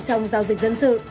trong giao dịch dân sự